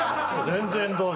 全然。